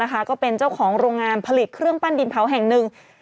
ก็เป็นเจ้าของโรงงานผลิตเครื่องปั้นดินเผาแห่งหนึ่ง